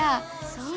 そう。